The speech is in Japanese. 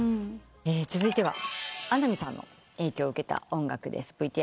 続いては穴見さんの影響を受けた音楽です。